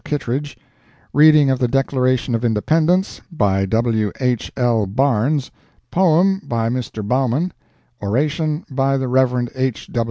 Kittredge; Reading of the Declaration of Independence, by W. H. L. Barnes; Poem, by Mr. Bowman; Oration, by the Rev. H.